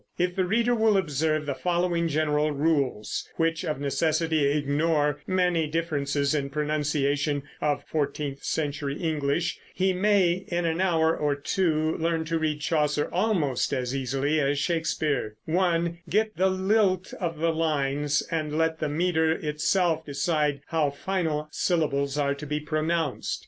If the reader will observe the following general rules (which of necessity ignore many differences in pronunciation of fourteenth century English), he may, in an hour or two, learn to read Chaucer almost as easily as Shakespeare: (1) Get the lilt of the lines, and let the meter itself decide how final syllables are to be pronounced.